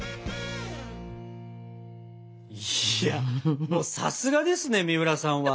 いやもうさすがですねみうらさんは。